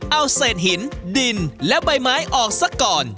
เอาเศษหินดินและใบไม้ออกซะก่อน